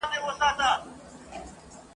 زه جلوه د کردګار یم زه قاتله د شیطان یم !.